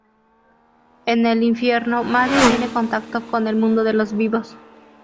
En el infierno maddy tiene contacto con el mundo de los vivos.